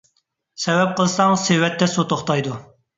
سەۋەب قىلساڭ سېۋەتتە سۇ توختايدۇ.